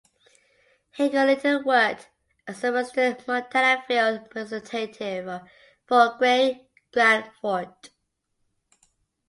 Hinkle later worked as the Western Montana field representative for Greg Gianforte.